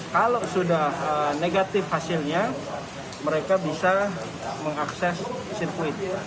kalau sudah negatif hasilnya mereka bisa mengakses sirkuit